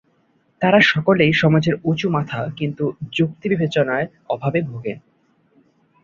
তারা সকলেই সমাজের উঁচু মাথা কিন্তু যুক্তি বিবেচনার অভাবে ভোগেন।